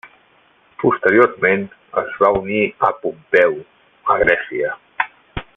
Posteriorment es va unir a Pompeu a Grècia.